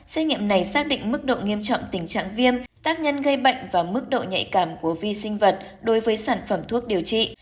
xét nghiệm này xác định mức độ nghiêm trọng tình trạng viêm tác nhân gây bệnh và mức độ nhạy cảm của vi sinh vật đối với sản phẩm thuốc điều trị